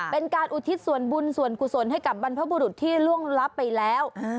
เป็นการอุทิศส่วนบุญส่วนกุศลให้กับบรรพบุรุษที่ล่วงลับไปแล้ว